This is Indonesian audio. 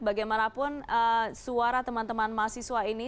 bagaimanapun suara teman teman mahasiswa ini